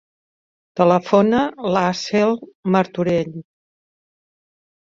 Telefona a l'Aseel Martorell.